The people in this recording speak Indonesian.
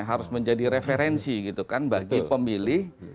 harus menjadi referensi gitu kan bagi pemilih